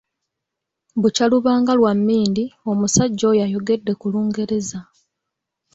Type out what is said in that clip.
Bukya lubanga lwa mmindi, omusajja oyo ayogedde ku Lungereza.